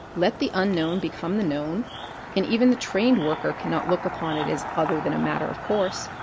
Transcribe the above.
Let the unknown become the known, and even the trained worker cannot look upon it as other than a matter of course.